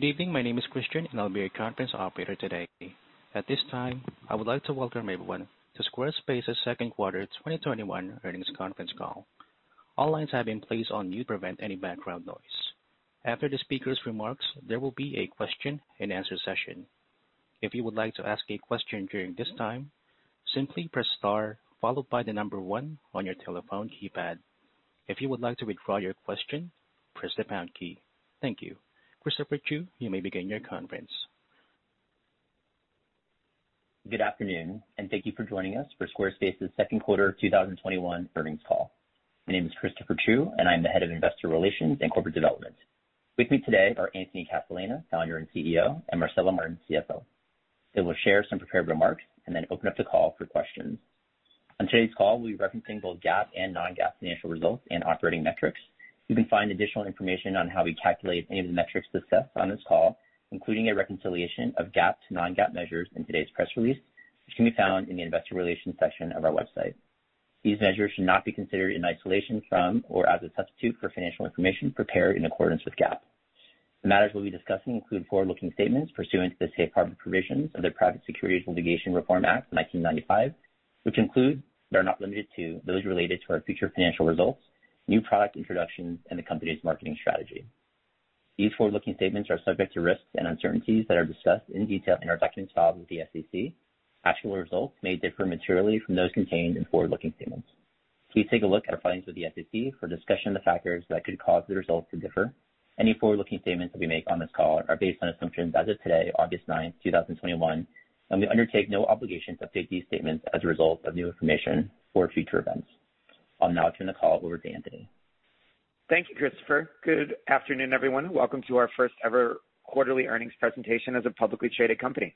Good evening. My name is Christian, and I'll be your conference operator today. At this time, I would like to welcome everyone to Squarespace's second quarter 2021 earnings conference call. All lines have been placed on mute to prevent any background noise. After the speaker's remarks, there will be a question-and-answer session. If you would like to ask a question during this time, simply press star followed by the number one on your telephone keypad. If you would like to withdraw your question, press the pound key. Thank you. Christopher Chiou, you may begin your conference. Good afternoon, and thank you for joining us for Squarespace's second quarter 2021 earnings call. My name is Christopher Chiou, and I'm the Head of Investor Relations and Corporate Development. With me today are Anthony Casalena, Founder and CEO, and Marcela Martin, CFO. They will share some prepared remarks and then open up the call for questions. On today's call, we'll be referencing both GAAP and non-GAAP financial results and operating metrics. You can find additional information on how we calculate any of the metrics discussed on this call, including a reconciliation of GAAP to non-GAAP measures in today's press release, which can be found in the investor relations section of our website. These measures should not be considered in isolation from or as a substitute for financial information prepared in accordance with GAAP. The matters we'll be discussing include forward-looking statements pursuant to the safe harbor provisions of the Private Securities Litigation Reform Act of 1995, which include, but are not limited to those related to our future financial results, new product introductions, and the company's marketing strategy. These forward-looking statements are subject to risks and uncertainties that are discussed in detail in our documents filed with the SEC. Actual results may differ materially from those contained in forward-looking statements. Please take a look at our filings with the SEC for a discussion of the factors that could cause the results to differ. Any forward-looking statements that we make on this call are based on assumptions as of today, August 9th, 2021, and we undertake no obligation to update these statements as a result of new information or future events. I'll now turn the call over to Anthony. Thank you, Christopher. Good afternoon, everyone. Welcome to our first ever quarterly earnings presentation as a publicly traded company.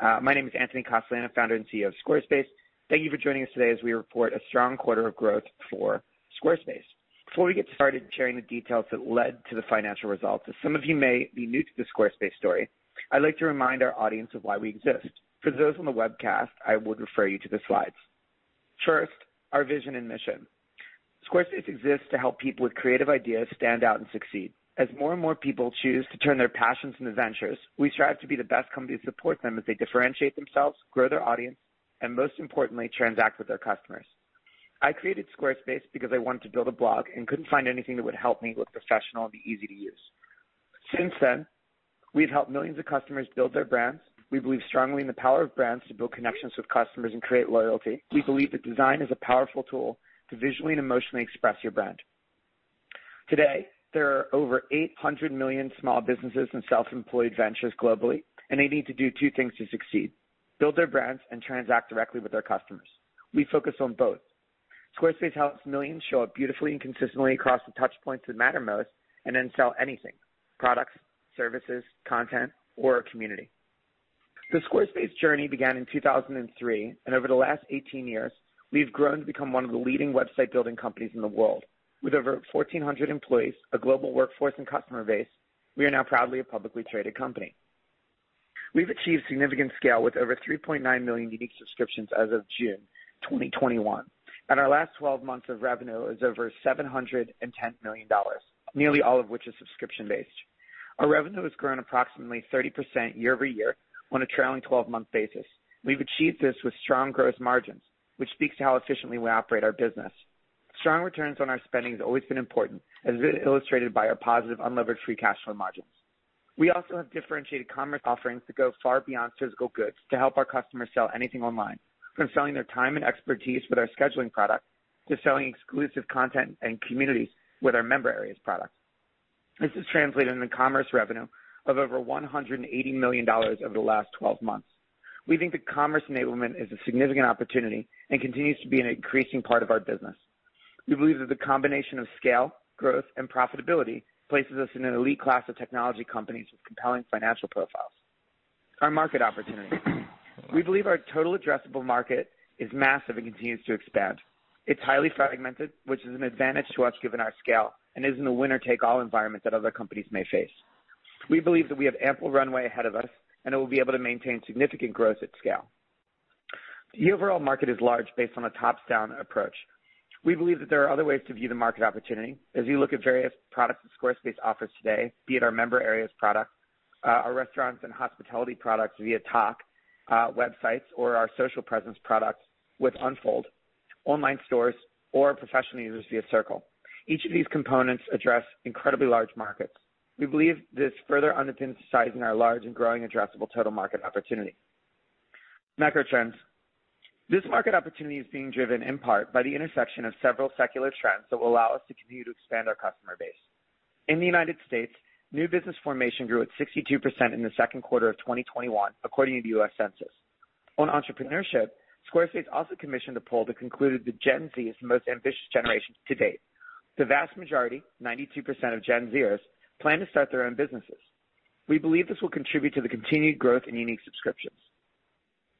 My name is Anthony Casalena, Founder and CEO of Squarespace. Thank you for joining us today as we report a strong quarter of growth for Squarespace. Before we get started sharing the details that led to the financial results, as some of you may be new to the Squarespace story, I'd like to remind our audience of why we exist. For those on the webcast, I would refer you to the slides. First, our vision and mission. Squarespace exists to help people with creative ideas stand out and succeed. As more and more people choose to turn their passions into ventures, we strive to be the best company to support them as they differentiate themselves, grow their audience, and most importantly, transact with their customers. I created Squarespace because I wanted to build a blog and couldn't find anything that would help me look professional and be easy to use. Since then, we've helped millions of customers build their brands. We believe strongly in the power of brands to build connections with customers and create loyalty. We believe that design is a powerful tool to visually and emotionally express your brand. Today, there are over 800 million small businesses and self-employed ventures globally, and they need to do two things to succeed: build their brands and transact directly with their customers. We focus on both. Squarespace helps millions show up beautifully and consistently across the touchpoints that matter most and then sell anything, products, services, content, or a community. The Squarespace journey began in 2003, and over the last 18 years, we've grown to become one of the leading website-building companies in the world. With over 1,400 employees, a global workforce, and customer base, we are now proudly a publicly traded company. We've achieved significant scale with over 3.9 million unique subscriptions as of June 2021, and our last 12 months of revenue is over $710 million, nearly all of which is subscription-based. Our revenue has grown approximately 30% year-over-year on a trailing 12-month basis. We've achieved this with strong gross margins, which speaks to how efficiently we operate our business. Strong returns on our spending has always been important, as illustrated by our positive unlevered free cash flow margins. We also have differentiated commerce offerings that go far beyond physical goods to help our customers sell anything online, from selling their time and expertise with our scheduling product, to selling exclusive content and communities with our Member Areas product. This has translated into commerce revenue of over $180 million over the last 12 months. We think that commerce enablement is a significant opportunity and continues to be an increasing part of our business. We believe that the combination of scale, growth, and profitability places us in an elite class of technology companies with compelling financial profiles. Our market opportunity. We believe our total addressable market is massive and continues to expand. It's highly fragmented, which is an advantage to us given our scale and isn't a winner-take-all environment that other companies may face. We believe that we have ample runway ahead of us, and that we'll be able to maintain significant growth at scale. The overall market is large based on a top-down approach. We believe that there are other ways to view the market opportunity as you look at various products that Squarespace offers today, be it our Member Areas product, our restaurants and hospitality products via Tock, websites or our social presence products with Unfold, online stores, or professional users via Circle. Each of these components address incredibly large markets. We believe this further underpins the size in our large and growing addressable total market opportunity. Macro trends. This market opportunity is being driven in part by the intersection of several secular trends that will allow us to continue to expand our customer base. In the United States, new business formation grew at 62% in the second quarter of 2021, according to the U.S. Census. On entrepreneurship, Squarespace also commissioned a poll that concluded that Gen Z is the most ambitious generation to date. The vast majority, 92% of Gen Zers, plan to start their own businesses. We believe this will contribute to the continued growth in unique subscriptions.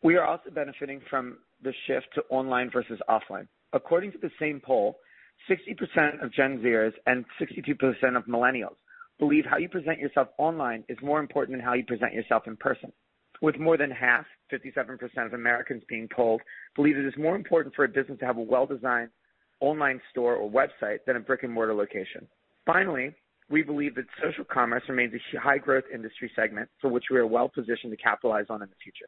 We are also benefiting from the shift to online versus offline. According to the same poll, 60% of Gen Zers and 62% of millennials believe how you present yourself online is more important than how you present yourself in person. With more than half, 57% of Americans being polled, believe it is more important for a business to have a well-designed online store or website than a brick-and-mortar location. We believe that social commerce remains a high-growth industry segment for which we are well-positioned to capitalize on in the future.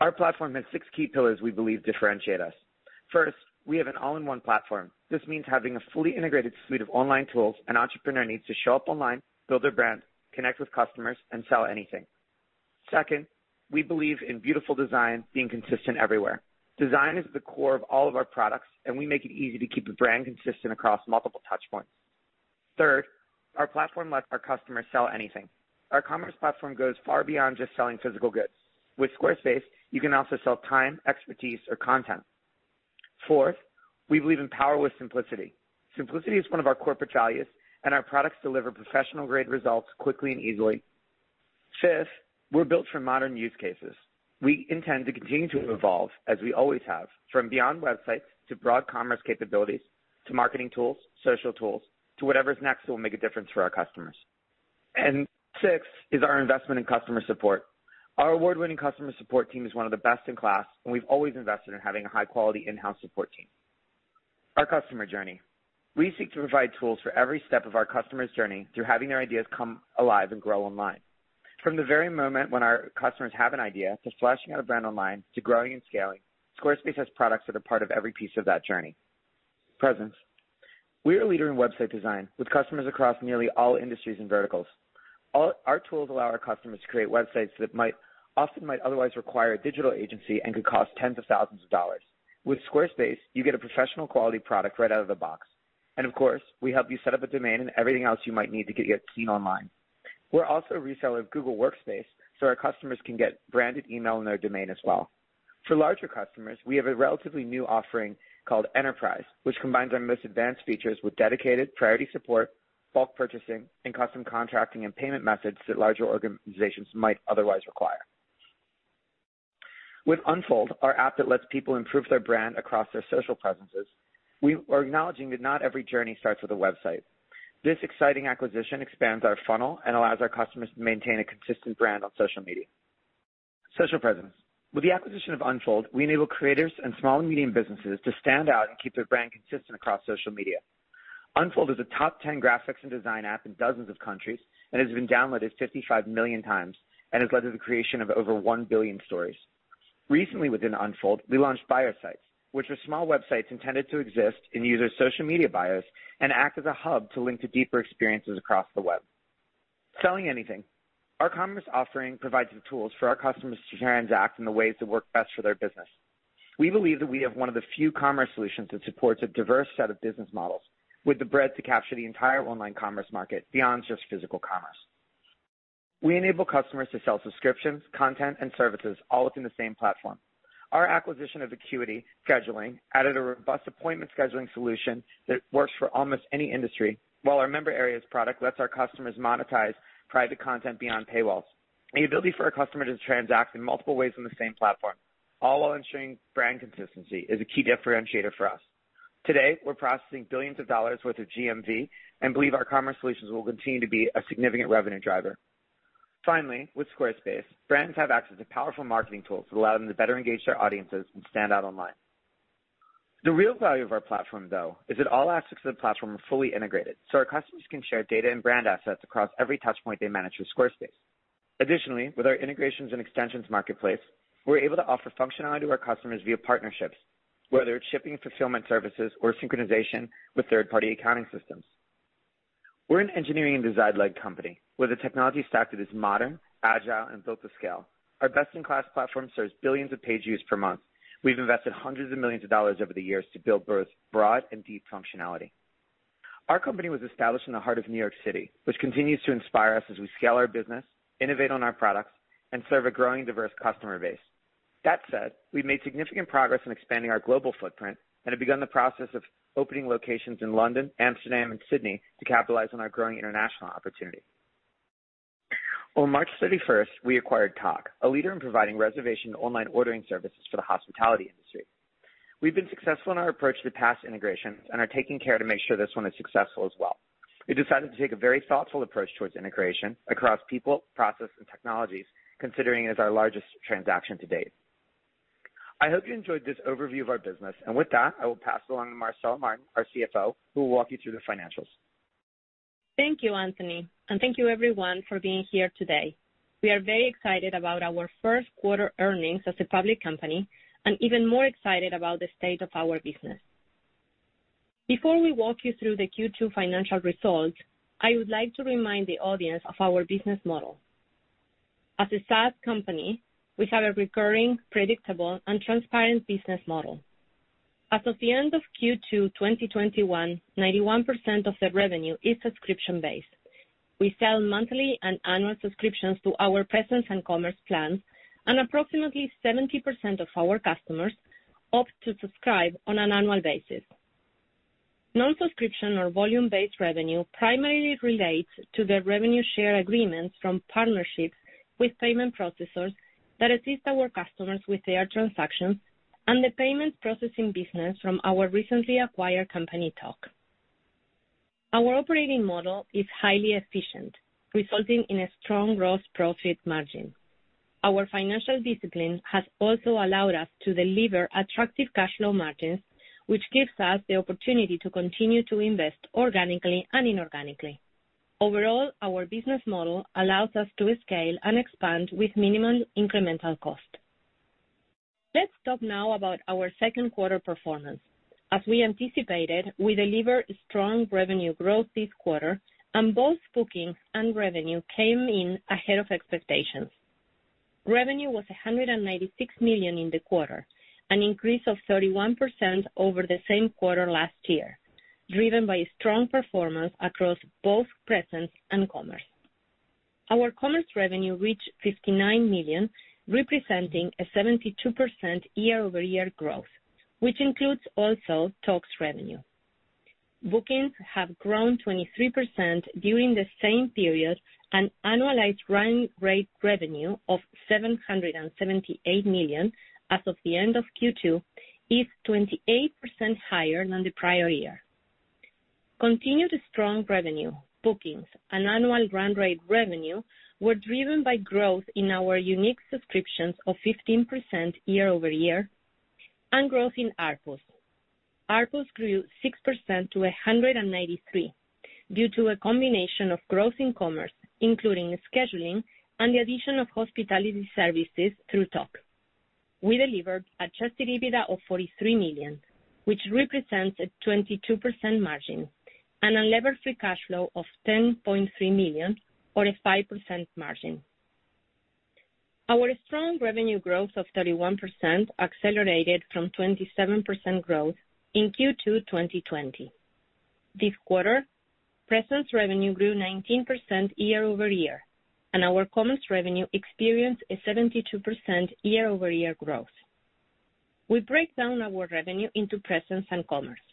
Our platform has six key pillars we believe differentiate us. First, we have an all-in-one platform. This means having a fully integrated suite of online tools an entrepreneur needs to show up online, build their brand, connect with customers, and sell anything. Second, we believe in beautiful design being consistent everywhere. Design is at the core of all of our products, and we make it easy to keep a brand consistent across multiple touch points. Third, our platform lets our customers sell anything. Our commerce platform goes far beyond just selling physical goods. With Squarespace, you can also sell time, expertise, or content. Fourth, we believe in power with simplicity. Simplicity is one of our corporate values, and our products deliver professional-grade results quickly and easily. Fifth, we're built for modern use cases. We intend to continue to evolve as we always have, from beyond websites to broad commerce capabilities, to marketing tools, social tools, to whatever's next that will make a difference for our customers. Sixth is our investment in customer support. Our award-winning customer support team is one of the best in class, and we've always invested in having a high-quality in-house support team. Our customer journey. We seek to provide tools for every step of our customer's journey through having their ideas come alive and grow online. From the very moment when our customers have an idea, to fleshing out a brand online, to growing and scaling, Squarespace has products that are part of every piece of that journey. Presence. We are a leader in website design, with customers across nearly all industries and verticals. Our tools allow our customers to create websites that often might otherwise require a digital agency and could cost tens of thousands of dollars. With Squarespace, you get a professional quality product right out of the box. Of course, we help you set up a domain and everything else you might need to get your team online. We're also a reseller of Google Workspace. Our customers can get branded email in their domain as well. For larger customers, we have a relatively new offering called Enterprise, which combines our most advanced features with dedicated priority support, bulk purchasing, and custom contracting and payment methods that larger organizations might otherwise require. With Unfold, our app that lets people improve their brand across their social presences, we are acknowledging that not every journey starts with a website. This exciting acquisition expands our funnel and allows our customers to maintain a consistent brand on social media. Social presence. With the acquisition of Unfold, we enable creators and small and medium businesses to stand out and keep their brand consistent across social media. Unfold is a top 10 graphics and design app in dozens of countries and has been downloaded 55 million times and has led to the creation of over one billion stories. Recently within Unfold, we launched Bio Sites, which are small websites intended to exist in user social media bios and act as a hub to link to deeper experiences across the web. Selling anything. Our commerce offering provides the tools for our customers to transact in the ways that work best for their business. We believe that we have one of the few commerce solutions that supports a diverse set of business models with the breadth to capture the entire online commerce market beyond just physical commerce. We enable customers to sell subscriptions, content, and services all within the same platform. Our acquisition of Acuity Scheduling added a robust appointment scheduling solution that works for almost any industry, while our Member Areas product lets our customers monetize private content beyond paywalls. The ability for our customer to transact in multiple ways on the same platform, all while ensuring brand consistency, is a key differentiator for us. Today, we're processing billions of dollars worth of GMV and believe our commerce solutions will continue to be a significant revenue driver. Finally, with Squarespace, brands have access to powerful marketing tools that allow them to better engage their audiences and stand out online. The real value of our platform, though, is that all aspects of the platform are fully integrated, so our customers can share data and brand assets across every touch point they manage with Squarespace. Additionally, with our integrations and extensions marketplace, we're able to offer functionality to our customers via partnerships, whether it's shipping and fulfillment services or synchronization with third-party accounting systems. We're an engineering and design-led company with a technology stack that is modern, agile, and built to scale. Our best-in-class platform serves billions of page views per month. We've invested hundreds of millions of dollars over the years to build both broad and deep functionality. Our company was established in the heart of New York City, which continues to inspire us as we scale our business, innovate on our products, and serve a growing, diverse customer base. That said, we've made significant progress in expanding our global footprint and have begun the process of opening locations in London, Amsterdam, and Sydney to capitalize on our growing international opportunity. On March 31st, we acquired Tock, a leader in providing reservation and online ordering services for the hospitality industry. We've been successful in our approach to past integrations and are taking care to make sure this one is successful as well. We decided to take a very thoughtful approach towards integration across people, process, and technologies, considering it is our largest transaction to date. I hope you enjoyed this overview of our business, and with that, I will pass along to Marcela Martin, our CFO, who will walk you through the financials. Thank you, Anthony. Thank you, everyone, for being here today. We are very excited about our first quarter earnings as a public company and even more excited about the state of our business. Before we walk you through the Q2 financial results, I would like to remind the audience of our business model. As a SaaS company, we have a recurring, predictable, and transparent business model. As of the end of Q2 2021, 91% of the revenue is subscription-based. We sell monthly and annual subscriptions to our Presence and Commerce plans, and approximately 70% of our customers opt to subscribe on an annual basis. Non-subscription or volume-based revenue primarily relates to the revenue share agreements from partnerships with payment processors that assist our customers with their transactions and the payment processing business from our recently acquired company, Tock. Our operating model is highly efficient, resulting in a strong gross profit margin. Our financial discipline has also allowed us to deliver attractive cash flow margins, which gives us the opportunity to continue to invest organically and inorganically. Overall, our business model allows us to scale and expand with minimum incremental cost. Let's talk now about our second quarter performance. As we anticipated, we delivered strong revenue growth this quarter, and both bookings and revenue came in ahead of expectations. Revenue was $196 million in the quarter, an increase of 31% over the same quarter last year, driven by strong performance across both Presence and Commerce. Our Commerce revenue reached $59 million, representing a 72% year-over-year growth, which includes also Tock's revenue. Bookings have grown 23% during the same period, an annualized run rate revenue of $778 million as of the end of Q2 is 28% higher than the prior year. Continued strong revenue, bookings, and annual run rate revenue were driven by growth in our unique subscriptions of 15% year-over-year and growth in RPOS. RPOS grew 6% to 193 due to a combination of growth in Commerce, including scheduling and the addition of hospitality services through Tock. We delivered adjusted EBITDA of $43 million, which represents a 22% margin and a lever free cash flow of $10.3 million or a 5% margin. Our strong revenue growth of 31% accelerated from 27% growth in Q2 2020. This quarter, Presence revenue grew 19% year-over-year, and our Commerce revenue experienced a 72% year-over-year growth. We break down our revenue into Presence and Commerce.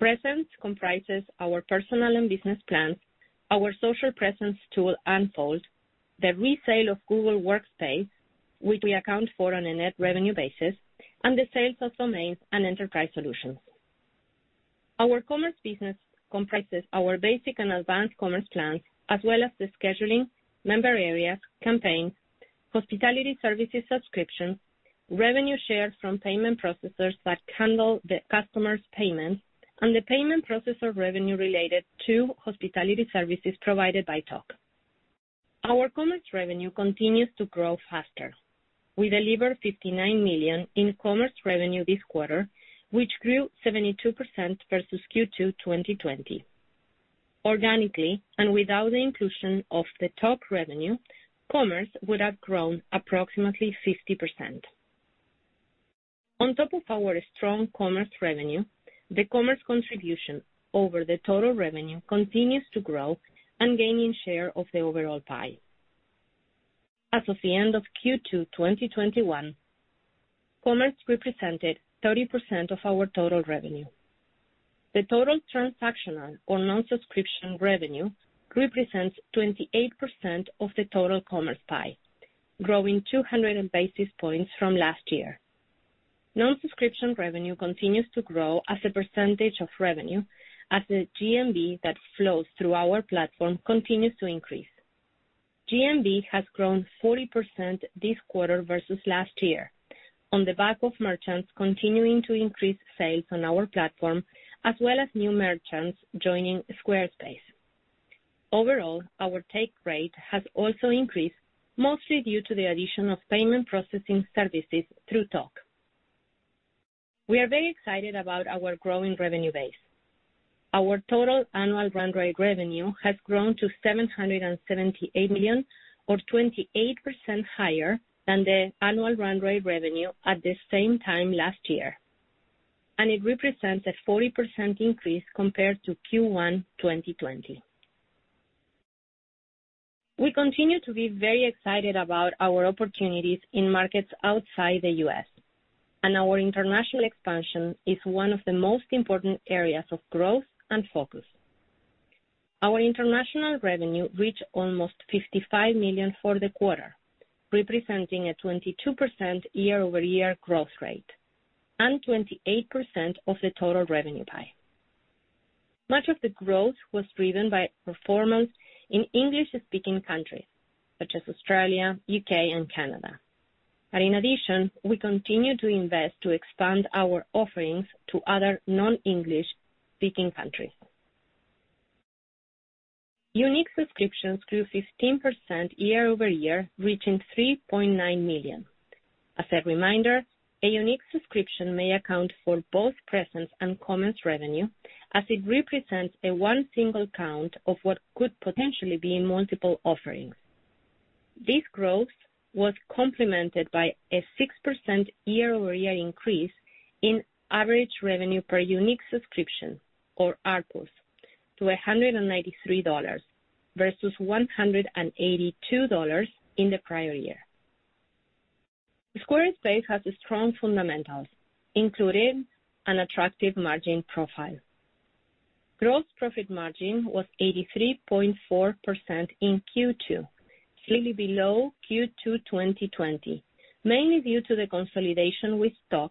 Presence comprises our personal and business plans, our social presence tool, Unfold, the resale of Google Workspace, which we account for on a net revenue basis, and the sales of domains and Enterprise solutions. Our Commerce business comprises our basic and advanced Commerce plans, as well as the scheduling, Member Areas, campaigns, hospitality services subscriptions, revenue shares from payment processors that handle the customer's payments, and the payment processor revenue related to hospitality services provided by Tock. Our Commerce revenue continues to grow faster. We delivered $59 million in Commerce revenue this quarter, which grew 72% versus Q2 2020. Organically, and without the inclusion of the Tock revenue, Commerce would have grown approximately 50%. On top of our strong Commerce revenue, the Commerce contribution over the total revenue continues to grow and gain in share of the overall pie. As of the end of Q2 2021, Commerce represented 30% of our total revenue. The total transactional or non-subscription revenue represents 28% of the total Commerce pie, growing 200 basis points from last year. Non-subscription revenue continues to grow as a percentage of revenue as the GMV that flows through our platform continues to increase. GMV has grown 40% this quarter versus last year on the back of merchants continuing to increase sales on our platform, as well as new merchants joining Squarespace. Overall, our take rate has also increased, mostly due to the addition of payment processing services through Tock. We are very excited about our growing revenue base. Our total annual run rate revenue has grown to $778 million, or 28% higher than the annual run rate revenue at the same time last year, and it represents a 40% increase compared to Q1 2020. We continue to be very excited about our opportunities in markets outside the U.S. Our international expansion is one of the most important areas of growth and focus. Our international revenue reached almost $55 million for the quarter, representing a 22% year-over-year growth rate and 28% of the total revenue pie. Much of the growth was driven by performance in English-speaking countries such as Australia, U.K., and Canada. In addition, we continue to invest to expand our offerings to other non-English-speaking countries. Unique subscriptions grew 15% year-over-year, reaching 3.9 million. As a reminder, a unique subscription may account for both Presence and Commerce revenue as it represents a one single count of what could potentially be multiple offerings. This growth was complemented by a 6% year-over-year increase in average revenue per unique subscription or RPOS to $193 versus $182 in the prior year. Squarespace has strong fundamentals, including an attractive margin profile. Gross profit margin was 83.4% in Q2. Slightly below Q2 2020, mainly due to the consolidation with Tock,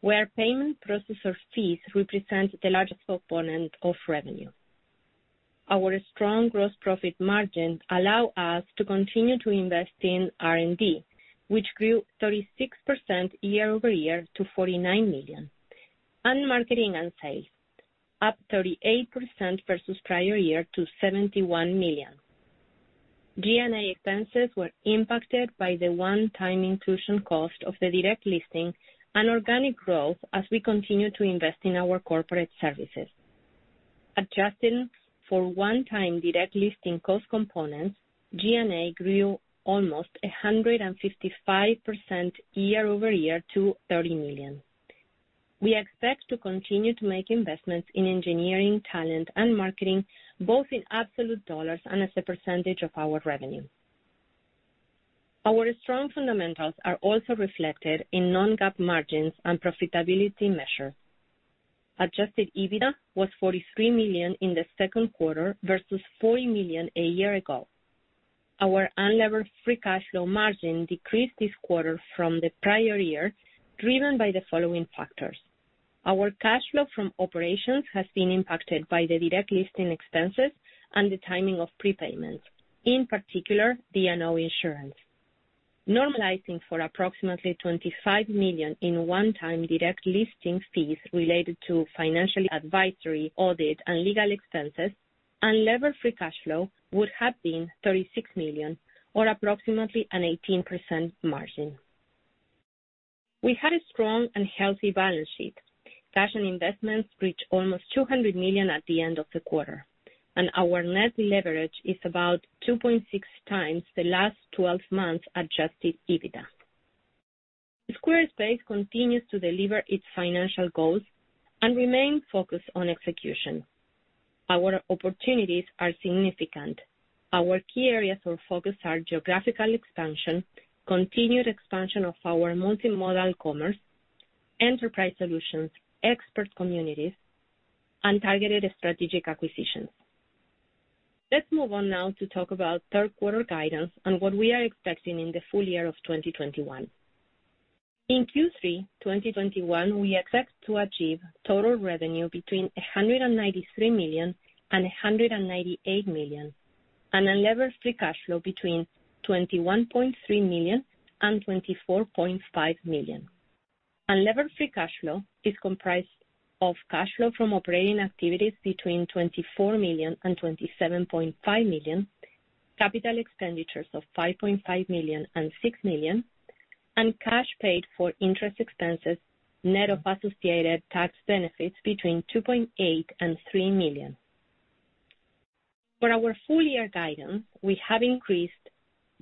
where payment processor fees represent the largest component of revenue. Our strong gross profit margin allow us to continue to invest in R&D, which grew 36% year-over-year to $49 million, and marketing and sales, up 38% versus prior year to $71 million. G&A expenses were impacted by the one-time inclusion cost of the direct listing and organic growth as we continue to invest in our corporate services. Adjusted for one-time direct listing cost components, G&A grew almost 155% year-over-year to $30 million. We expect to continue to make investments in engineering, talent, and marketing, both in absolute dollars and as a percentage of our revenue. Our strong fundamentals are also reflected in non-GAAP margins and profitability measures. Adjusted EBITDA was $43 million in the second quarter versus $40 million a year ago. Our unlevered free cash flow margin decreased this quarter from the prior year, driven by the following factors. Our cash flow from operations has been impacted by the direct listing expenses and the timing of prepayments, in particular, D&O insurance. Normalizing for approximately $25 million in one-time direct listing fees related to financial advisory, audit, and legal expenses, unlevered free cash flow would have been $36 million or approximately an 18% margin. We had a strong and healthy balance sheet. Cash and investments reached almost $200 million at the end of the quarter, and our net leverage is about 2.6 times the last 12 months adjusted EBITDA. Squarespace continues to deliver its financial goals and remain focused on execution. Our opportunities are significant. Our key areas of focus are geographical expansion, continued expansion of our multimodal commerce, Enterprise solutions, expert communities, and targeted strategic acquisitions. Let's move on now to talk about third quarter guidance and what we are expecting in the full year of 2021. In Q3 2021, we expect to achieve total revenue between $193 million and $198 million, and unlevered free cash flow between $21.3 million and $24.5 million. Unlevered free cash flow is comprised of cash flow from operating activities between $24 million and $27.5 million, CapEx of $5.5 million and $6 million, and cash paid for interest expenses, net of associated tax benefits between $2.8 million and $3 million. For our full-year guidance, we have increased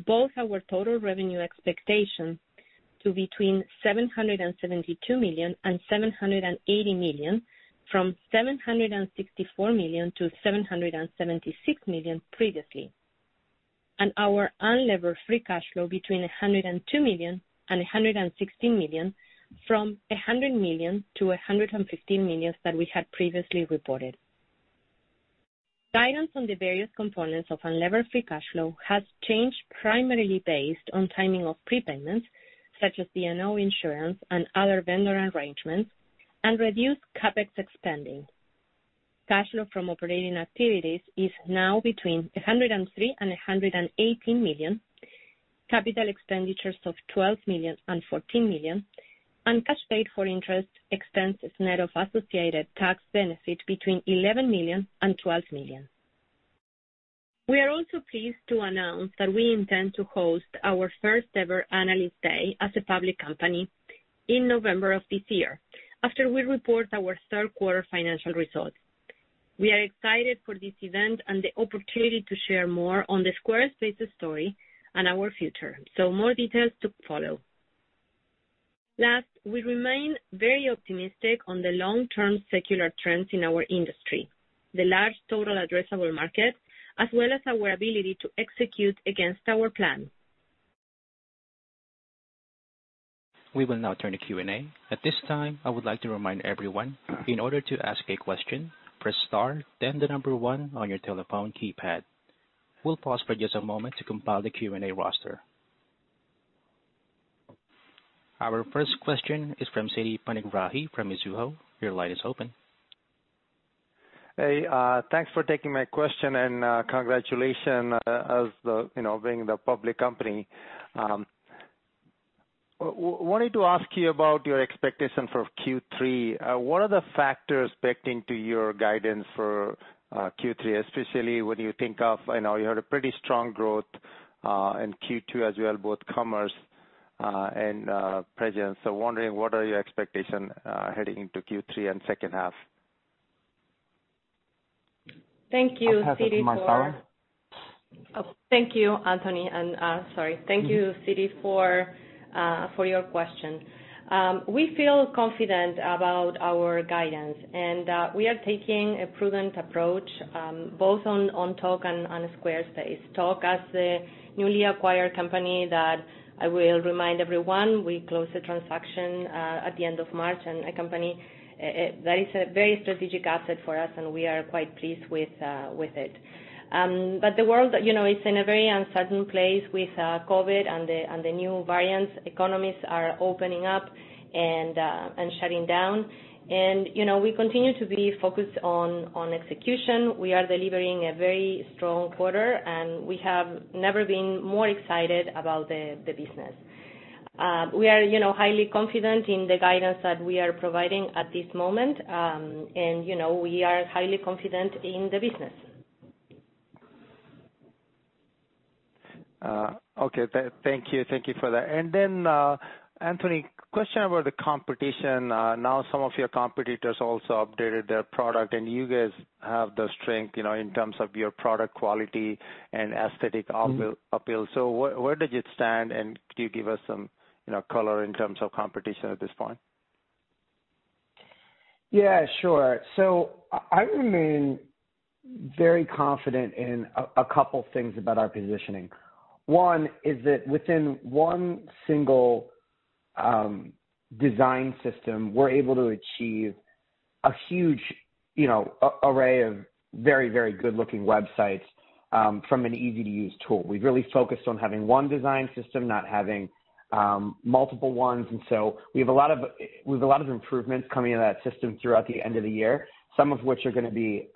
both our total revenue expectation to between $772 million and $780 million from $764 million-$776 million previously, and our unlevered free cash flow between $102 million and $116 million from $100 million-$115 million that we had previously reported. Guidance on the various components of unlevered free cash flow has changed primarily based on timing of prepayments, such as D&O insurance and other vendor arrangements and reduced CapEx spending. Cash flow from operating activities is now between $103 million and $118 million, capital expenditures of $12 million and $14 million, and cash paid for interest expenses, net of associated tax benefit between $11 million and $12 million. We are also pleased to announce that we intend to host our first-ever Analyst Day as a public company in November of this year after we report our third quarter financial results. We are excited for this event and the opportunity to share more on the Squarespace story and our future. More details to follow. Last, we remain very optimistic on the long-term secular trends in our industry, the large total addressable market, as well as our ability to execute against our plan. We will now turn to Q&A. At this time, I would like to remind everyone, in order to ask a question, press star then the number one on your telephone keypad. We'll pause for just a moment to compile the Q&A roster. Our first question is from Siti Panigrahi from Mizuho. Your line is open. Hey, thanks for taking my question and congratulations as being the public company. Wanted to ask you about your expectation for Q3. What are the factors baked into your guidance for Q3, especially when you think of, I know you had a pretty strong growth, in Q2 as well, both commerce, and Presence. Wondering, what are your expectation heading into Q3 and second half? Thank you, Siddhi, for your question. We feel confident about our guidance, and we are taking a prudent approach both on Tock and on Squarespace. Tock, as a newly acquired company that I will remind everyone, we closed the transaction at the end of March, and a company that is a very strategic asset for us, and we are quite pleased with it. The world is in a very uncertain place with COVID and the new variants. Economies are opening up and shutting down. We continue to be focused on execution. We are delivering a very strong quarter, and we have never been more excited about the business. We are highly confident in the guidance that we are providing at this moment. We are highly confident in the business. Okay. Thank you for that. Anthony, question about the competition. Some of your competitors also updated their product, and you guys have the strength in terms of your product quality and aesthetic appeal. Where does it stand, and could you give us some color in terms of competition at this point? Yeah, sure. I remain very confident in a couple things about our positioning. One is that within one single design system, we're able to achieve a huge array of very good-looking websites from an easy-to-use tool. We've really focused on having one design system, not having multiple ones. We have a lot of improvements coming into that system throughout the end of the year. Some of which are going to be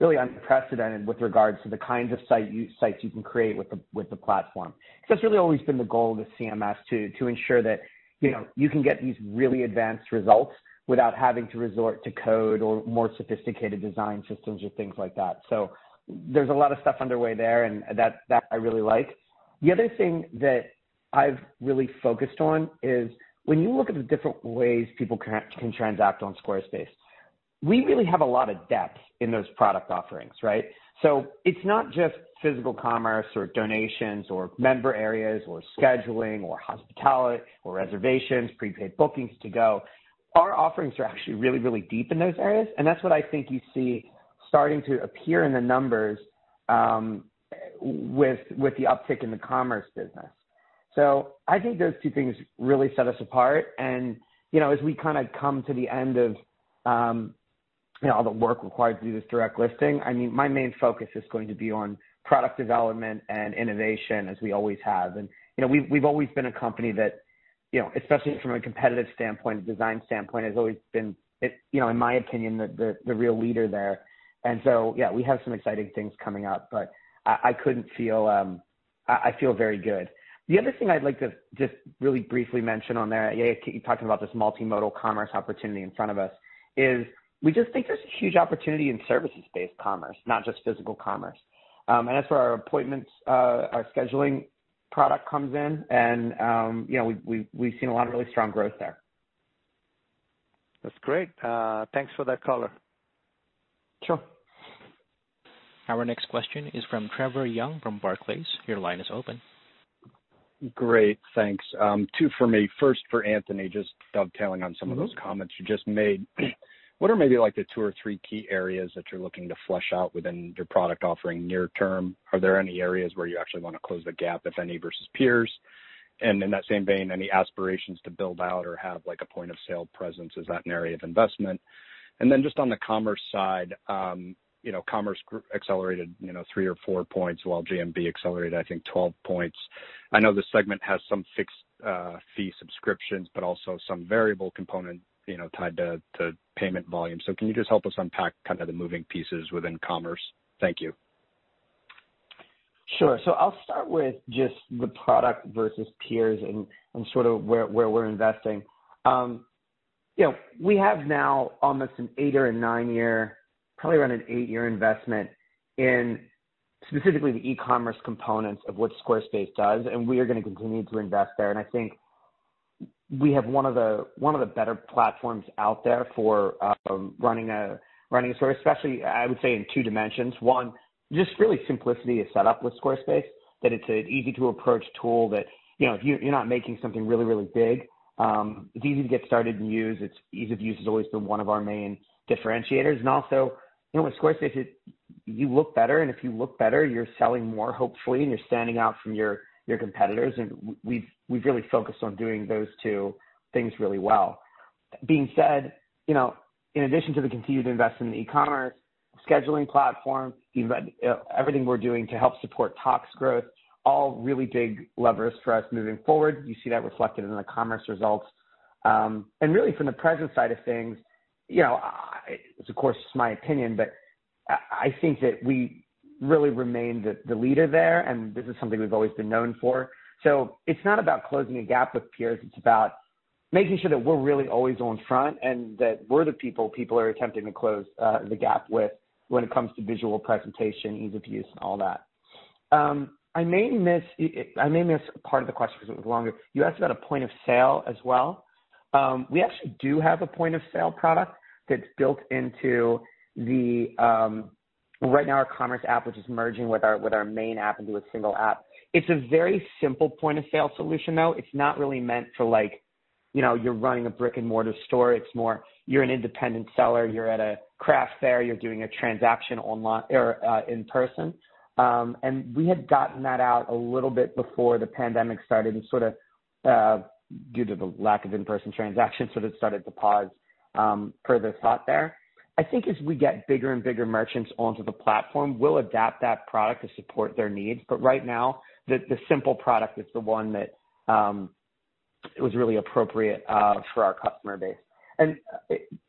really unprecedented with regards to the kinds of sites you can create with the platform. That's really always been the goal of the CMS too, to ensure that you can get these really advanced results without having to resort to code or more sophisticated design systems or things like that. There's a lot of stuff underway there, and that I really like. The other thing that I've really focused on is when you look at the different ways people can transact on Squarespace, we really have a lot of depth in those product offerings, right? It's not just physical commerce or donations or Member Areas or scheduling or hospitality or reservations, prepaid bookings to go. Our offerings are actually really deep in those areas, and that's what I think you see starting to appear in the numbers with the uptick in the commerce business. I think those two things really set us apart. As we kind of come to the end of all the work required to do this direct listing, my main focus is going to be on product development and innovation as we always have. We've always been a company that, especially from a competitive standpoint, design standpoint, has always been, in my opinion, the real leader there. Yeah, we have some exciting things coming up, but I feel very good. The other thing I'd like to just really briefly mention on there, talking about this multimodal commerce opportunity in front of us, is we just think there's a huge opportunity in services-based commerce, not just physical commerce. That's where our appointments, our scheduling product comes in, and we've seen a lot of really strong growth there. That's great. Thanks for that color. Sure. Our next question is from Trevor Young from Barclays. Your line is open. Great. Thanks. Two for me. First for Anthony, just dovetailing on some of those comments you just made. What are maybe the two or three key areas that you're looking to flesh out within your product offering near term? Are there any areas where you actually want to close the gap, if any, versus peers? In that same vein, any aspirations to build out or have a point-of-sale presence as that narrative investment? Just on the commerce side, commerce accelerated 3 points or 4 points while GMV accelerated, I think, 12 points. I know this segment has some fixed fee subscriptions, but also some variable component tied to payment volume. Can you just help us unpack kind of the moving pieces within commerce? Thank you. Sure. I'll start with just the product versus peers and sort of where we're investing. We have now almost an eight or a nine-year, probably around an eight-year investment in specifically the e-commerce components of what Squarespace does. We are going to continue to invest there. I think we have one of the better platforms out there for running a store, especially, I would say, in two dimensions. One, just really simplicity of setup with Squarespace, that it's an easy-to-approach tool that if you're not making something really big, it's easy to get started and use. Its ease of use has always been one of our main differentiators. Also with Squarespace, you look better, and if you look better, you're selling more, hopefully, and you're standing out from your competitors. We've really focused on doing those two things really well. That being said, in addition to the continued investment in the e-commerce scheduling platform, everything we're doing to help support Tock's growth, all really big levers for us moving forward. You see that reflected in the commerce results. Really from the Presence side of things, it's of course just my opinion, but I think that we really remain the leader there, and this is something we've always been known for. It's not about closing a gap with peers. It's about making sure that we're really always on front and that we're the people are attempting to close the gap with when it comes to visual presentation, ease of use, and all that. I may have missed part of the question because it was longer. You asked about a point-of-sale as well. We actually do have a point-of-sale product that's built into, right now, our commerce app, which is merging with our main app into a single app. It's a very simple point-of-sale solution, though. It's not really meant for you're running a brick and mortar store. It's more, you're an independent seller, you're at a craft fair, you're doing a transaction in person. We had gotten that out a little bit before the pandemic started and sort of, due to the lack of in-person transactions, sort of started to pause further thought there. I think as we get bigger and bigger merchants onto the platform, we'll adapt that product to support their needs. Right now, the simple product is the one that was really appropriate for our customer base.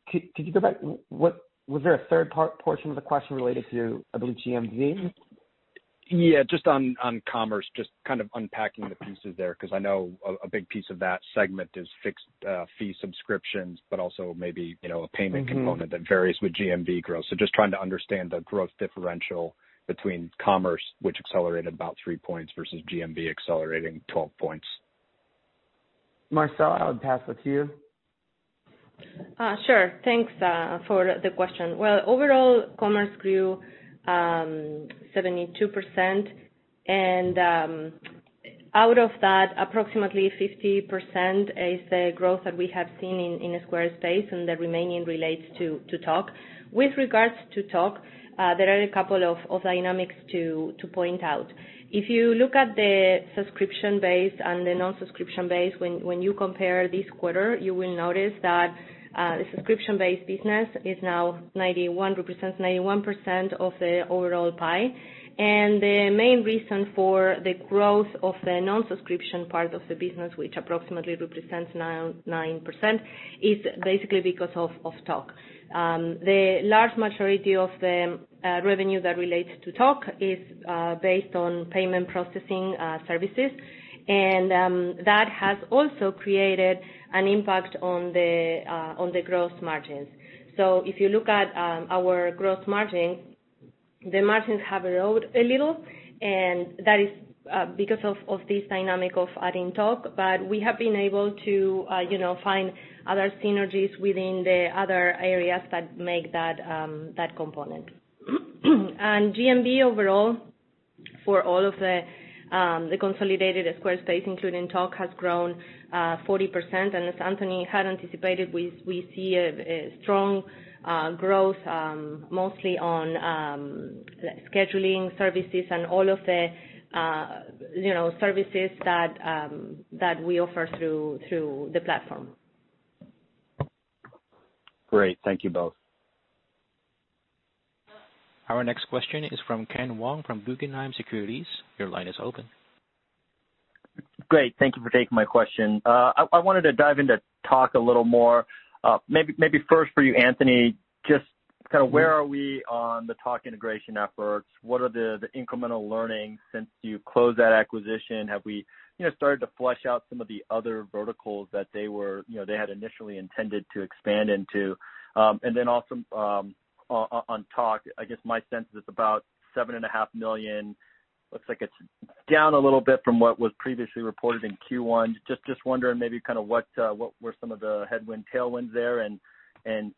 Could you go back? Was there a third portion of the question related to, I believe, GMV? Just on commerce, just kind of unpacking the pieces there, because I know a big piece of that segment is fixed fee subscriptions, but also maybe, a payment component. That varies with GMV growth. Just trying to understand the growth differential between commerce, which accelerated about 3 points, versus GMV accelerating 12 points. Marcela, I would pass it to you. Sure. Thanks for the question. Well, overall commerce grew 72%. Out of that, approximately 50% is the growth that we have seen in Squarespace. The remaining relates to Tock. With regards to Tock, there are a couple of dynamics to point out. If you look at the subscription base and the non-subscription base, when you compare this quarter, you will notice that the subscription-based business now represents 91% of the overall pie. The main reason for the growth of the non-subscription part of the business, which approximately represents 99%, is basically because of Tock. The large majority of the revenue that relates to Tock is based on payment processing services. That has also created an impact on the gross margins. If you look at our gross margin, the margins have erode a little, and that is because of this dynamic of adding Tock. We have been able to find other synergies within the other areas that make that component. GMV overall for all of the consolidated Squarespace, including Tock, has grown 40%. As Anthony had anticipated, we see a strong growth mostly on scheduling services and all of the services that we offer through the platform. Great. Thank you both. Our next question is from Ken Wong from Guggenheim Securities. Your line is open. Great. Thank you for taking my question. I wanted to dive into Tock a little more. Maybe first for you, Anthony, just kind of where are we on the Tock integration efforts? What are the incremental learnings since you closed that acquisition? Have we started to flush out some of the other verticals that they had initially intended to expand into? Also on Tock, I guess my sense is about $7.5 million. Looks like it's down a little bit from what was previously reported in Q1. Just wondering maybe kind of what were some of the headwind, tailwinds there, and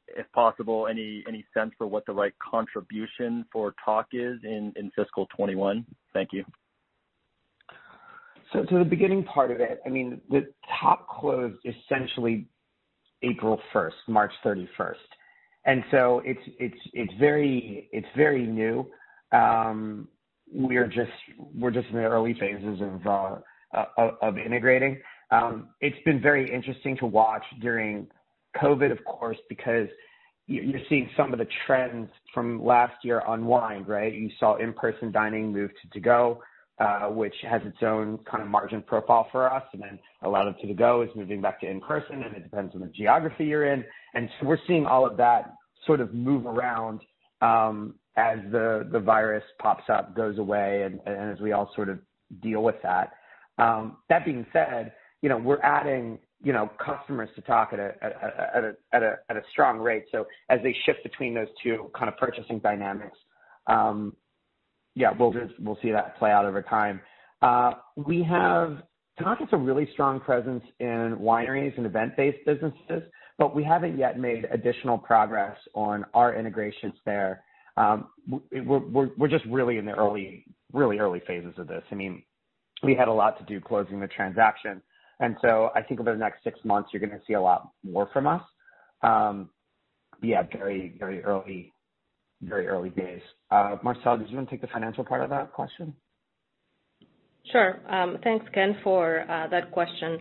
if possible, any sense for what the right contribution for Tock is in fiscal 2021? Thank you. The beginning part of it, Tock closed essentially April 1st, March 31st. It's very new. We're just in the early phases of integrating. It's been very interesting to watch during COVID, of course, because you're seeing some of the trends from last year unwind, right? You saw in-person dining move to to-go, which has its own kind of margin profile for us. A lot of to-go is moving back to in-person, and it depends on the geography you're in. We're seeing all of that sort of move around as the virus pops up, goes away, and as we all sort of deal with that. That being said, we're adding customers to Tock at a strong rate. As they shift between those two kind of purchasing dynamics, we'll see that play out over time. Tock has a really strong presence in wineries and event-based businesses, we haven't yet made additional progress on our integrations there. We're just really in the early phases of this. We had a lot to do closing the transaction, I think over the next six months, you're going to see a lot more from us. Yeah, very early days. Marcela, did you want to take the financial part of that question? Sure. Thanks, Ken, for that question.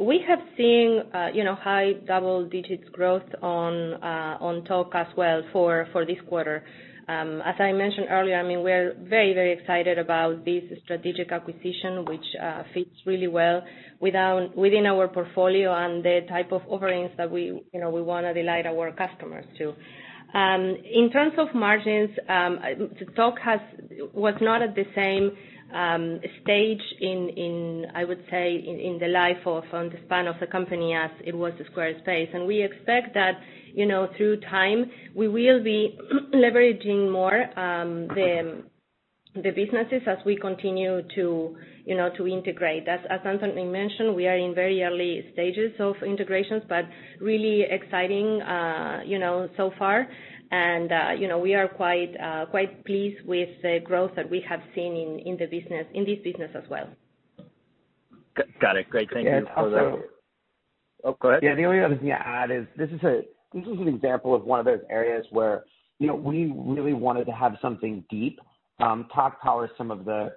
We have seen high double-digit growth on Tock as well for this quarter. As I mentioned earlier, we're very excited about this strategic acquisition, which fits really well within our portfolio and the type of offerings that we want to delight our customers to. In terms of margins, Tock was not at the same stage in, I would say, in the life or the span of the company as it was to Squarespace. We expect that through time we will be leveraging more the businesses as we continue to integrate. As Anthony mentioned, we are in very early stages of integrations, but really exciting so far. We are quite pleased with the growth that we have seen in this business as well. Got it. Great. Thank you for that. And also- Oh, go ahead. Yeah, the only other thing I add is this is an example of one of those areas where we really wanted to have something deep. Tock powers some of the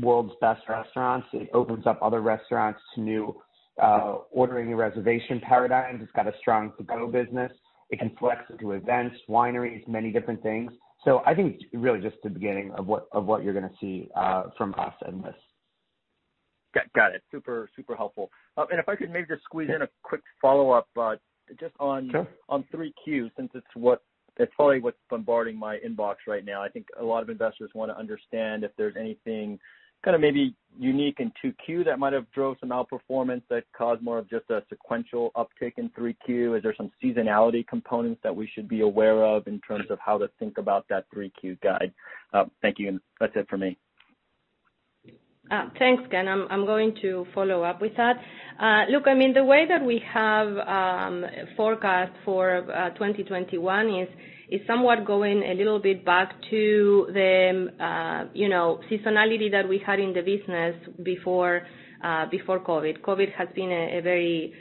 world's best restaurants. It opens up other restaurants to new ordering and reservation paradigms. It's got a strong to-go business. It can flex into events, wineries, many different things. I think it's really just the beginning of what you're going to see from us and this. Got it. Super helpful. If I could maybe just squeeze in a quick follow-up. Sure on 3Q, since it's probably what's bombarding my inbox right now. I think a lot of investors want to understand if there's anything kind of maybe unique in 2Q that might have drove some outperformance that caused more of just a sequential uptick in 3Q. Is there some seasonality components that we should be aware of in terms of how to think about that 3Q guide? Thank you, and that's it for me. Thanks, Ken. I'm going to follow up with that. Look, I mean, the way that we have forecast for 2021 is somewhat going a little bit back to the seasonality that we had in the business before COVID. COVID has been a very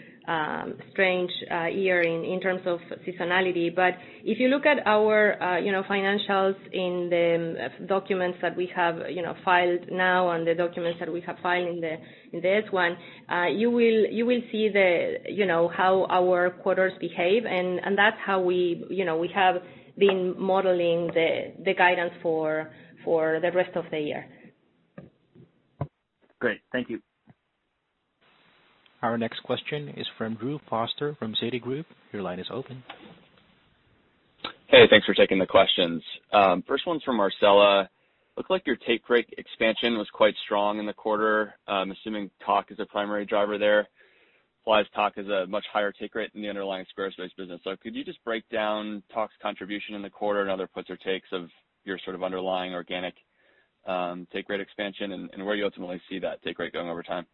strange year in terms of seasonality. If you look at our financials in the documents that we have filed now and the documents that we have filed in the S1, you will see how our quarters behave. That's how we have been modeling the guidance for the rest of the year. Great. Thank you. Our next question is from Drew Foster from Citi. Your line is open. Hey, thanks for taking the questions. First one's for Marcela. Looked like your take rate expansion was quite strong in the quarter. I'm assuming Tock is a primary driver there. Applies Tock is a much higher take rate than the underlying Squarespace business. Could you just break down Tock's contribution in the quarter and other puts or takes of your sort of underlying organic take rate expansion and where you ultimately see that take rate going over time?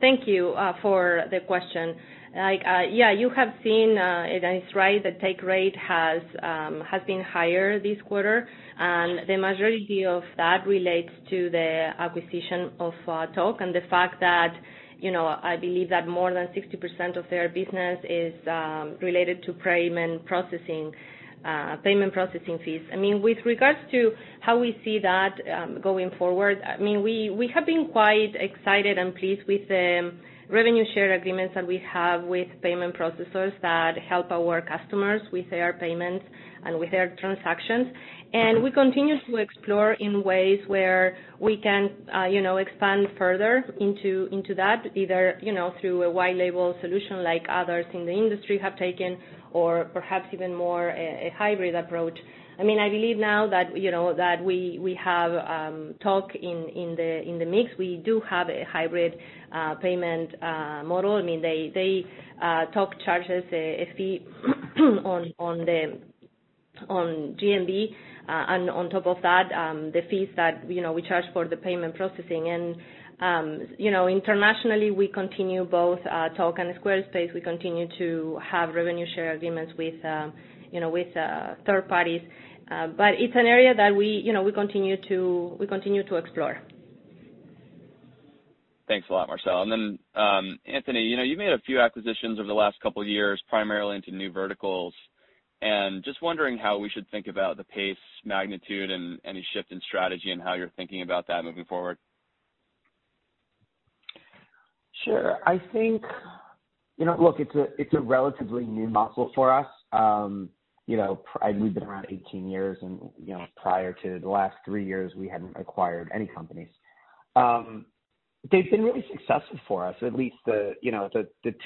Thank you for the question. Yeah, you have seen, and that is right, the take rate has been higher this quarter. The majority of that relates to the acquisition of Tock and the fact that I believe that more than 60% of their business is related to payment processing fees. With regards to how we see that going forward, we have been quite excited and pleased with the revenue share agreements that we have with payment processors that help our customers with their payments and with their transactions. We continue to explore in ways where we can expand further into that, either through a white label solution like others in the industry have taken, or perhaps even more a hybrid approach. I believe now that we have Tock in the mix, we do have a hybrid payment model. Tock charges a fee on GMV, and on top of that, the fees that we charge for the payment processing. Internationally, we continue both Tock and Squarespace. We continue to have revenue share agreements with third parties. It's an area that we continue to explore. Thanks a lot, Marcel. Anthony, you've made a few acquisitions over the last couple of years, primarily into new verticals, and just wondering how we should think about the pace, magnitude, and any shift in strategy and how you're thinking about that moving forward. Sure. Look, it's a relatively new muscle for us. We've been around 18 years and prior to the last three years, we hadn't acquired any companies. They've been really successful for us, at least the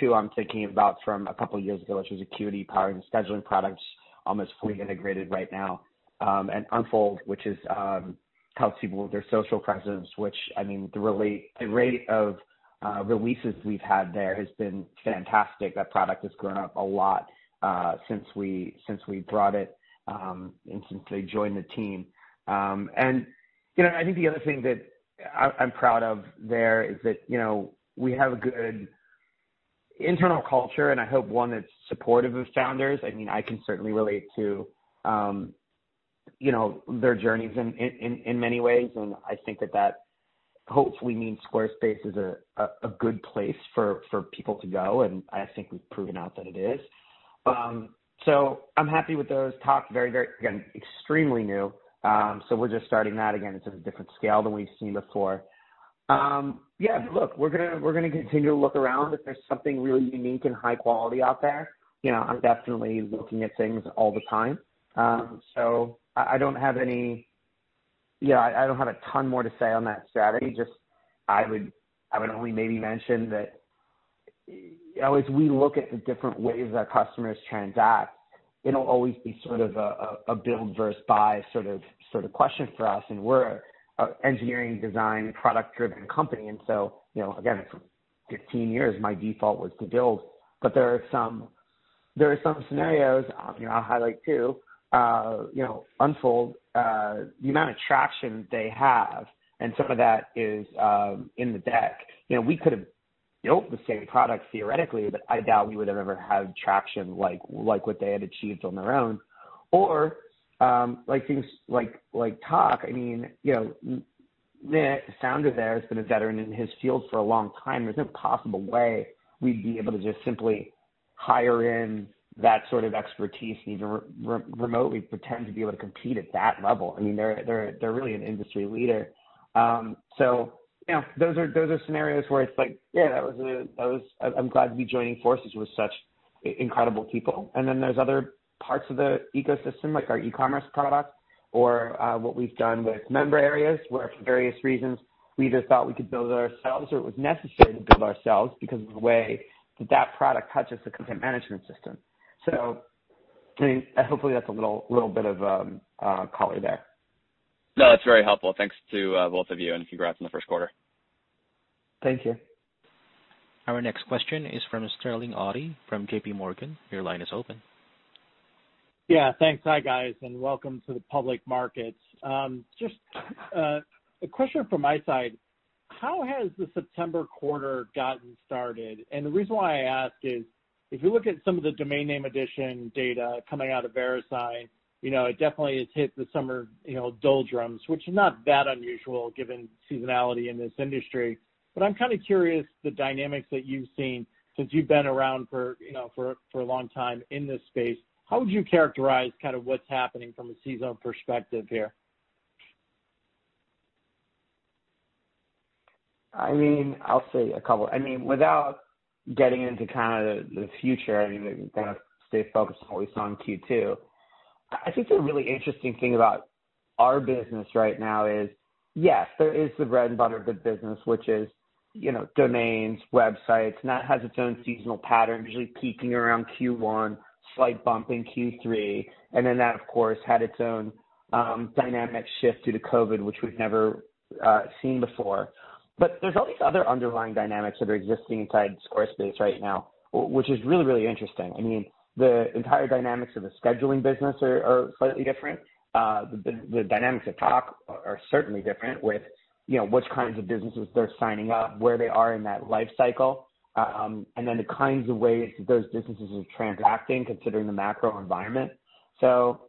two I'm thinking about from a couple of years ago, which was Acuity powering scheduling products, almost fully integrated right now. Unfold, which helps people with their social presence, which the rate of releases we've had there has been fantastic. That product has grown up a lot since we brought it and since they joined the team. I think the other thing that I'm proud of there is that we have a good internal culture, and I hope one that's supportive of founders. I can certainly relate to their journeys in many ways, and I think that that hopefully means Squarespace is a good place for people to go, and I think we've proven out that it is. I'm happy with those. Tock, again, extremely new. We're just starting that. Again, it's at a different scale than we've seen before. Yeah, look, we're going to continue to look around if there's something really unique and high quality out there. I'm definitely looking at things all the time. I don't have a ton more to say on that strategy, just I would only maybe mention that as we look at the different ways that customers transact, it'll always be sort of a build versus buy sort of question for us, and we're an engineering design, product-driven company, and so, again, it's 15 years, my default was to build. There are some scenarios, I'll highlight two, Unfold. The amount of traction they have, and some of that is in the deck. We could've built the same product theoretically, but I doubt we would have ever had traction like what they had achieved on their own. Things like Tock. The founder there has been a veteran in his field for a long time. There's no possible way we'd be able to just simply hire in that sort of expertise, even remotely pretend to be able to compete at that level. They're really an industry leader. Those are scenarios where it's like, yeah, I'm glad to be joining forces with such incredible people. There's other parts of the ecosystem, like our e-commerce product or what we've done with Member Areas, where for various reasons, we just thought we could build it ourselves, or it was necessary to build ourselves because of the way that that product touches the content management system. Hopefully that's a little bit of color there. No, that's very helpful. Thanks to both of you, and congrats on the first quarter. Thank you. Our next question is from Sterling Auty from JPMorgan. Your line is open. Yeah, thanks. Hi, guys, welcome to the public markets. Just a question from my side: How has the September quarter gotten started? The reason why I ask is, if you look at some of the domain name addition data coming out of Verisign, it definitely has hit the summer doldrums, which is not that unusual given seasonality in this industry. I'm kind of curious the dynamics that you've seen since you've been around for a long time in this space. How would you characterize what's happening from a season perspective here? I'll say a couple. Without getting into the future, we're going to stay focused always on Q2. I think the really interesting thing about our business right now is, yes, there is the bread and butter of the business, which is domains, websites, and that has its own seasonal pattern, usually peaking around Q1, slight bump in Q3, and then that, of course, had its own dynamic shift due to COVID, which we've never seen before. There's all these other underlying dynamics that are existing inside Squarespace right now, which is really, really interesting. The entire dynamics of the scheduling business are slightly different. The dynamics of Tock are certainly different with which kinds of businesses they're signing up, where they are in that life cycle, and then the kinds of ways that those businesses are transacting, considering the macro environment. Look,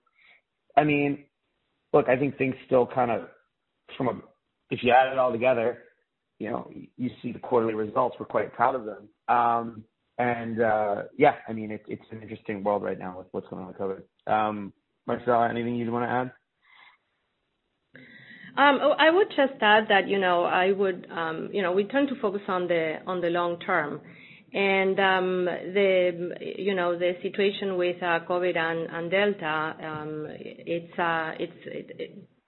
I think things still kind of, if you add it all together, you see the quarterly results. We're quite proud of them. Yeah, it's an interesting world right now with what's going on with COVID. Marcela, anything you'd want to add? I would just add that we tend to focus on the long term. The situation with COVID and Delta, it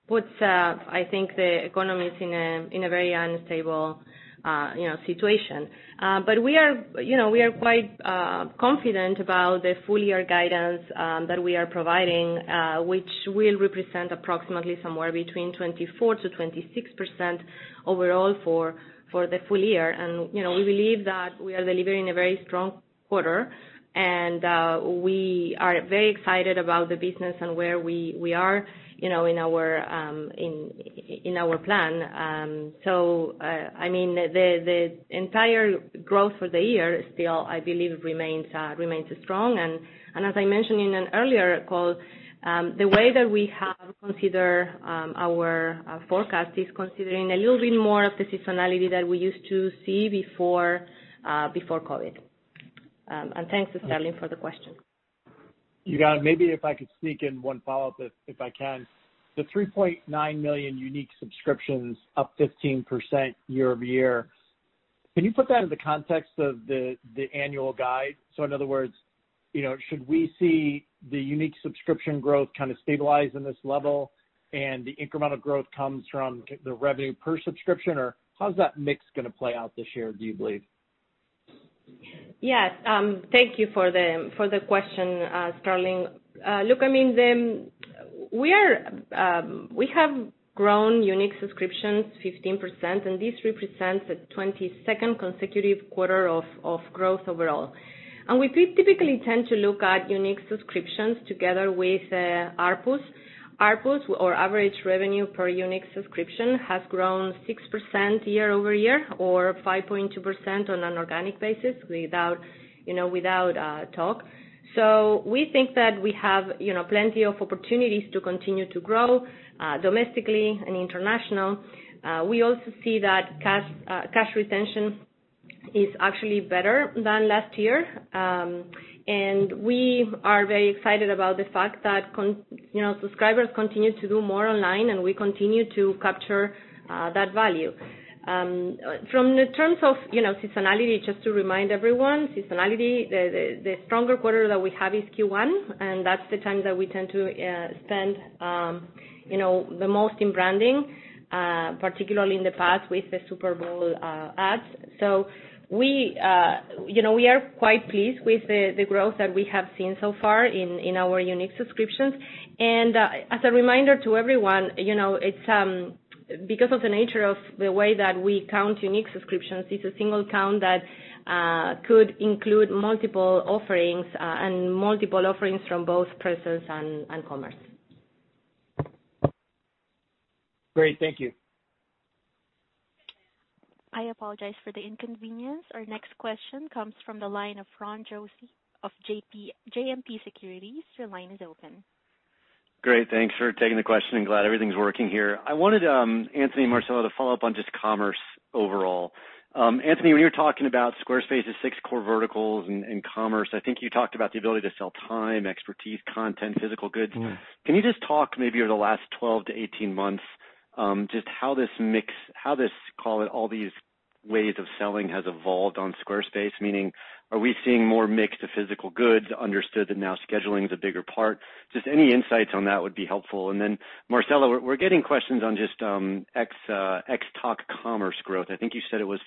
puts, I think, the economies in a very unstable situation. We are quite confident about the full-year guidance that we are providing, which will represent approximately somewhere between 24%-26% overall for the full year. We believe that we are delivering a very strong quarter, and we are very excited about the business and where we are in our plan. The entire growth for the year still, I believe, remains strong. As I mentioned in an earlier call, the way that we have considered our forecast is considering a little bit more of the seasonality that we used to see before COVID. Thanks, Sterling, for the question. You got it. Maybe if I could sneak in one follow-up, if I can. The 3.9 million unique subscriptions up 15% year-over-year, can you put that in the context of the annual guide? In other words, should we see the unique subscription growth kind of stabilize in this level and the incremental growth comes from the revenue per subscription? How's that mix going to play out this year, do you believe? Yeah. Thank you for the question, Sterling. Look, we have grown unique subscriptions 15%, and this represents the 22nd consecutive quarter of growth overall. We typically tend to look at unique subscriptions together with ARPU. ARPU, or average revenue per unique subscription, has grown 6% year-over-year, or 5.2% on an organic basis without Tock. We think that we have plenty of opportunities to continue to grow domestically and international. We also see that cash retention is actually better than last year, and we are very excited about the fact that subscribers continue to do more online, and we continue to capture that value. From the terms of seasonality, just to remind everyone, seasonality, the stronger quarter that we have is Q1, and that's the time that we tend to spend the most in branding, particularly in the past with the Super Bowl ads. We are quite pleased with the growth that we have seen so far in our unique subscriptions. As a reminder to everyone, it's because of the nature of the way that we count unique subscriptions, it's a single count that could include multiple offerings, and multiple offerings from both Presence and Commerce. Great. Thank you. I apologize for the inconvenience. Our next question comes from the line of Ron Josey of JMP Securities. Your line is open. Great. Thanks for taking the question. Glad everything's working here. I wanted, Anthony and Marcela, to follow up on just commerce overall. Anthony, when you were talking about Squarespace's six core verticals and commerce, I think you talked about the ability to sell time, expertise, content, physical goods. Can you just talk maybe over the last 12-18 months, just how this mix, how this, call it all these ways of selling, has evolved on Squarespace? Meaning, are we seeing more mix of physical goods? Understood that now scheduling is a bigger part. Just any insights on that would be helpful. Then Marcela, we're getting questions on just ex Tock commerce growth. I think you said it was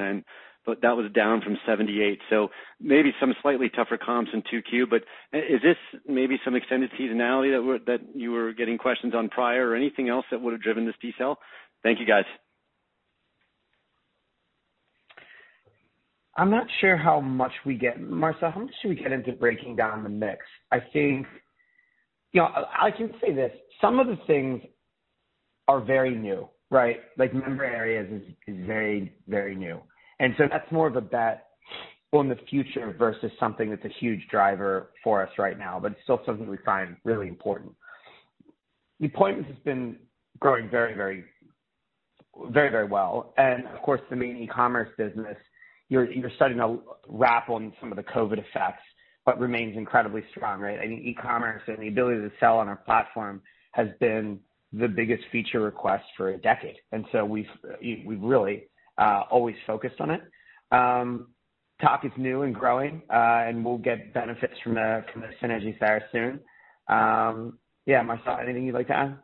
50%, but that was down from 78%, so maybe some slightly tougher comps in 2Q. Is this maybe some extended seasonality that you were getting questions on prior or anything else that would've driven this detail? Thank you, guys. I'm not sure how much we get. Marcela, how much should we get into breaking down the mix? I can say this, some of the things are very new, right? Like Member Areas is very new. That's more of a bet on the future versus something that's a huge driver for us right now, but it's still something we find really important. Appointments has been growing very well. Of course, the main e-commerce business, you're starting to wrap on some of the COVID effects, but remains incredibly strong, right? I think e-commerce and the ability to sell on our platform has been the biggest feature request for a decade, we've really always focused on it. Tock is new and growing, we'll get benefits from the synergies there soon. Yeah, Marcela, anything you'd like to add?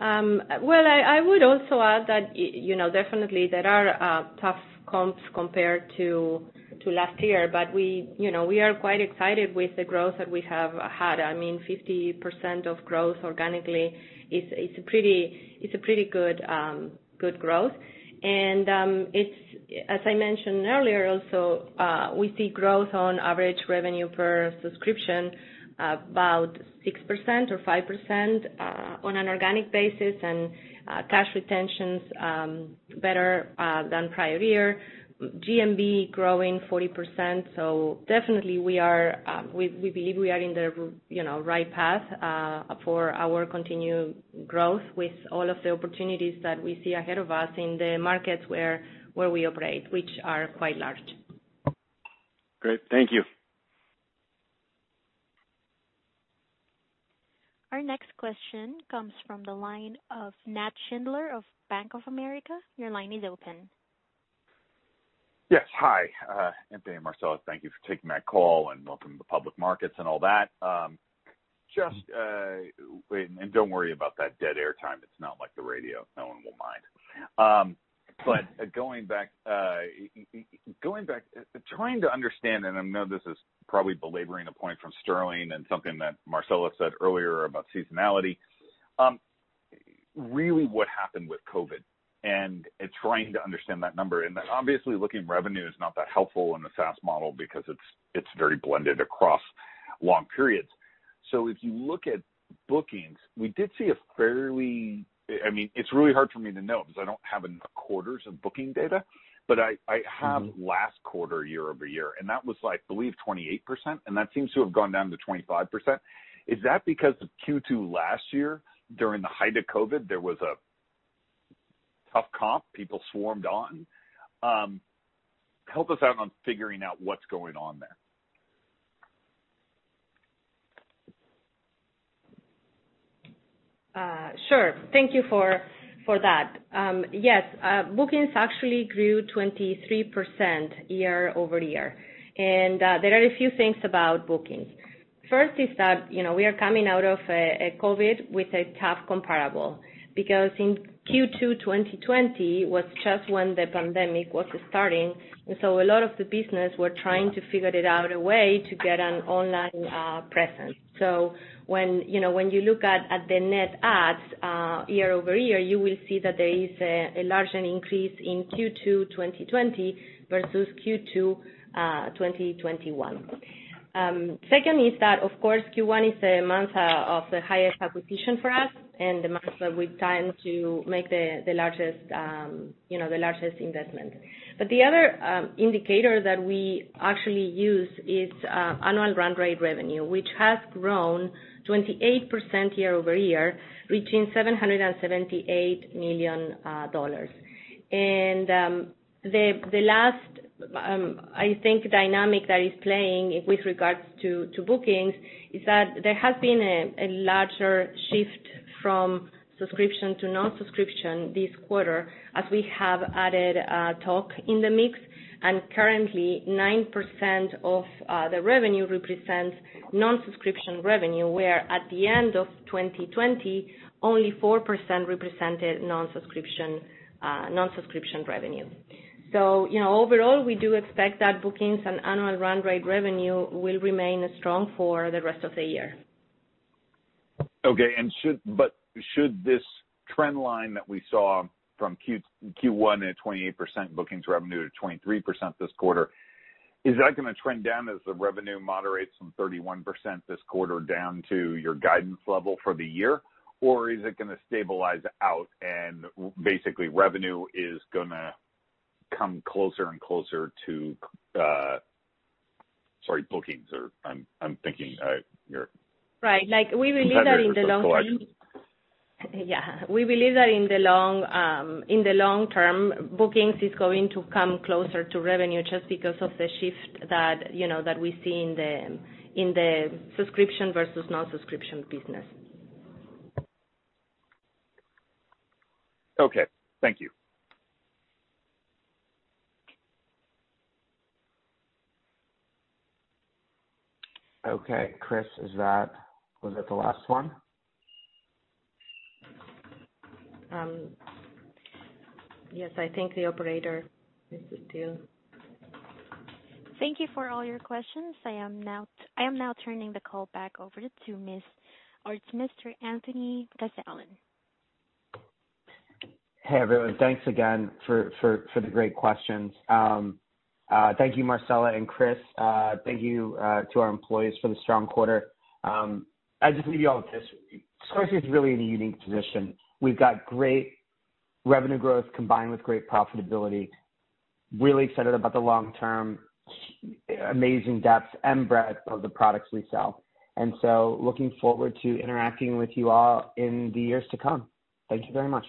Well, I would also add that definitely there are tough comps compared to last year, we are quite excited with the growth that we have had. 50% of growth organically is a pretty good growth. As I mentioned earlier also, we see growth on average revenue per subscription about 6% or 5% on an organic basis, and cash retention's better than prior year. GMV growing 40%, definitely we believe we are in the right path for our continued growth with all of the opportunities that we see ahead of us in the markets where we operate, which are quite large. Great. Thank you. Our next question comes from the line of Nat Schindler of Bank of America. Your line is open. Yes. Hi, Anthony and Marcela. Thank you for taking my call, and welcome to public markets and all that. Don't worry about that dead air time. It's not like the radio. No one will mind. Going back, trying to understand, and I know this is probably belaboring a point from Sterling and something that Marcela said earlier about seasonality. Really what happened with COVID, and trying to understand that number, and obviously looking at revenue is not that helpful in the SaaS model because it's very blended across long periods. If you look at bookings, we did see. It's really hard for me to know because I don't have enough quarters of booking data, but I have last quarter, year-over-year, and that was, I believe, 28%, and that seems to have gone down to 25%. Is that because of Q2 last year during the height of COVID, there was a tough comp, people swarmed on? Help us out on figuring out what's going on there. Sure. Thank you for that. Yes, bookings actually grew 23% year-over-year. There are a few things about bookings. First is that we are coming out of COVID with a tough comparable because in Q2 2020 was just when the pandemic was starting, a lot of the businesses were trying to figure it out a way to get an online presence. When you look at the net adds year-over-year, you will see that there is a larger increase in Q2 2020 versus Q2 2021. Second is that, of course, Q1 is the month of the highest acquisition for us and the month that we tend to make the largest investment. The other indicator that we actually use is annual run rate revenue, which has grown 28% year-over-year, reaching $778 million. The last, I think, dynamic that is playing with regards to bookings is that there has been a larger shift from subscription to non-subscription this quarter as we have added Tock in the mix, and currently 9% of the revenue represents non-subscription revenue, where at the end of 2020, only 4% represented non-subscription revenue. Overall, we do expect that bookings and annual run rate revenue will remain strong for the rest of the year. Okay. Should this trend line that we saw from Q1 at 28% bookings revenue to 23% this quarter, is that going to trend down as the revenue moderates from 31% this quarter down to your guidance level for the year? Is it going to stabilize out and basically revenue is going to come closer and closer to sorry, bookings? Right. We believe that in the long. confusing those two columns. We believe that in the long term, bookings is going to come closer to revenue just because of the shift that we see in the subscription versus non-subscription business. Okay. Thank you. Okay. Chris, was that the last one? Yes, I think the operator is due. Thank you for all your questions. I am now turning the call back over to Mr. Anthony Casalena. Hey, everyone. Thanks again for the great questions. Thank you, Marcela and Chris. Thank you to our employees for the strong quarter. I just leave you all with this. Squarespace is really in a unique position. We've got great revenue growth combined with great profitability. Really excited about the long-term amazing depth and breadth of the products we sell, and so looking forward to interacting with you all in the years to come. Thank you very much.